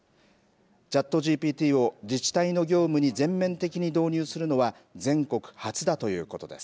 ＣｈａｔＧＰＴを自治体の業務に全面的に導入するのは全国初だということです。